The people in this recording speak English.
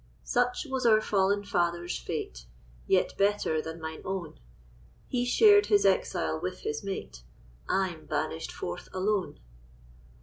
Such was our fallen father's fate, Yet better than mine own; He shared his exile with his mate, I'm banish'd forth alone.